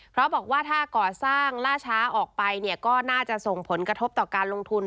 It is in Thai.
เพราะบอกว่าถ้าก่อสร้างล่าช้าออกไปเนี่ยก็น่าจะส่งผลกระทบต่อการลงทุน